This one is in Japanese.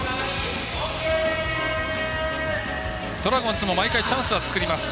ドラゴンズも毎回チャンスは作ります。